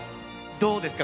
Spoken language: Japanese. どうですか？